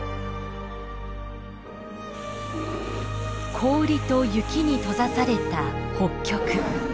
氷と雪に閉ざされた北極。